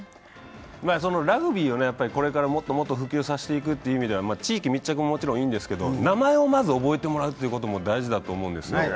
ラグビーをこれからもっともっと普及させていくのに地域密着はもちろんいいんですが名前をまず覚えてもらうということも大事だと思うんですよ。